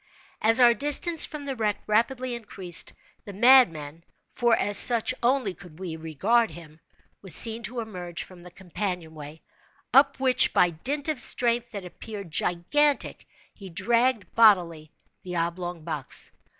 As our distance from the wreck rapidly increased, the madman (for as such only could we regard him) was seen to emerge from the companion—way, up which by dint of strength that appeared gigantic, he dragged, bodily, the oblong box.